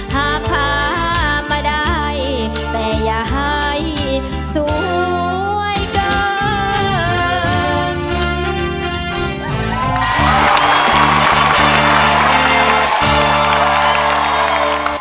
หากพามาได้แต่อย่าให้สวยเกิน